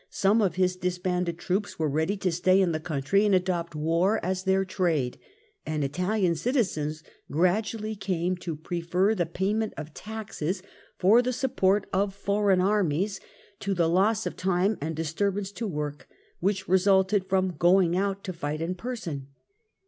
some of his disbanded troops were ready to stay in the country and adopt war as their trade, and Itahan citizens gradually came to prefer the payment of taxes for the support of foreign armies, to the loss of time and disturbance to work which resulted from going out to fight in person.